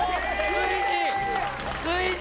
ついに！